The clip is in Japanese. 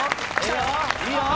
いいよ！